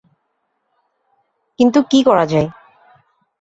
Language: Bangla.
কিন্তু কী করা যায়।